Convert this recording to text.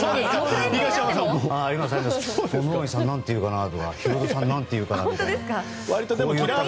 野上さん、何て言うかなとかヒロドさん何て言うかなとか。